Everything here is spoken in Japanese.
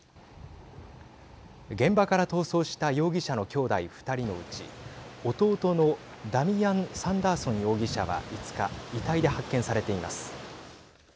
現場から逃走した容疑者の兄弟２人のうち弟のダミアン・サンダーソン容疑者は５日、遺体で発見されています。